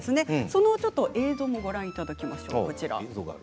その映像もご覧いただきます。